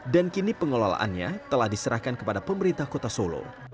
dan kini pengelolaannya telah diserahkan kepada pemerintah kota solo